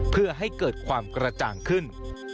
เพื่อให้เกิดความกระจ่างขึ้น